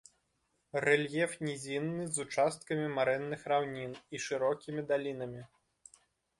Рэльеф нізінны з участкамі марэнных раўнін і шырокімі далінамі.